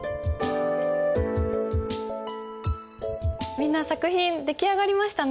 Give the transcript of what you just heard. みんな作品出来上がりましたね。